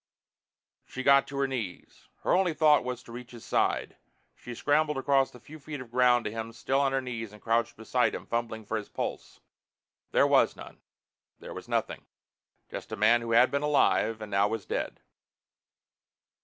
She got to her knees. Her only thought was to reach his side. She scrambled across the few feet of ground to him still on her knees and crouched beside him, fumbling for his pulse. There was none. There was nothing. Just a man who had been alive and now was dead.